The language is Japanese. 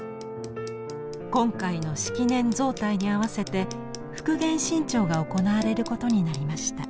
今回の式年造替に合わせて復元新調が行われることになりました。